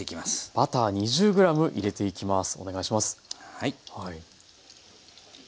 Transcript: はい。